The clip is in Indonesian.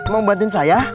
mau bantuin saya